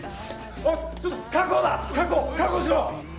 おいちょっと確保だ確保確保しろ。